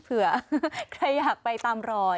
เผื่อใครอยากไปตามรอย